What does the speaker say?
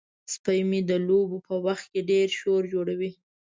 سپی مې د لوبو په وخت کې ډیر شور جوړوي.